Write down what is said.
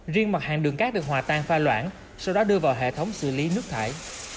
riêng mặt hàng đường cát được hòa tan pha loạn sau đó đưa vào hệ thống xử lý nước thải